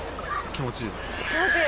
気持ちいいです。